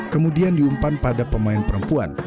kemudian diumpan pada pemain perempuan